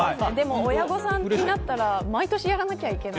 親御さんになったら毎年やらなきゃいけない。